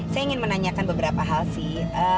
saya ingin menanyakan beberapa hal sih